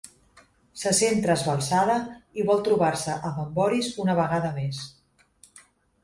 Se sent trasbalsada i vol trobar-se amb en Boris una vegada més.